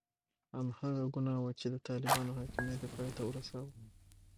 هماغه ګناه وه چې د طالبانو حاکمیت یې پای ته ورساوه.